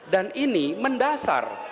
dan ini mendasar